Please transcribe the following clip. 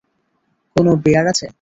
কোনও বিয়ার আছে?